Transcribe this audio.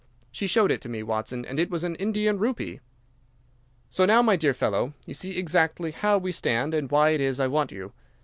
She showed it to me, Watson, and it was an Indian rupee. "So now, my dear fellow, you see exactly how we stand and why it is I want you.